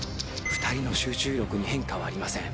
２人の集中力に変化はありません。